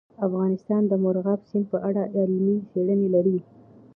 افغانستان د مورغاب سیند په اړه علمي څېړنې لري.